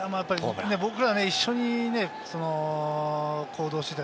僕らが一緒に行動していた。